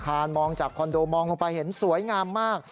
มองจากคอนโดมองลงไปเห็นสวยงามมาก